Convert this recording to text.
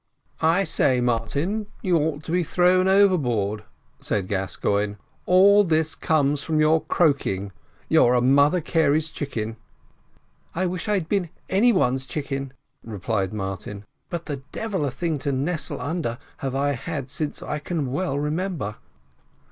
"I say, Martin, you ought to be thrown overboard," said Gascoigne; "all this comes from your croaking you're a Mother Carey's chicken." "I wish I had been any one's chicken," replied Martin; "but the devil a thing to nestle under have I had since I can well remember."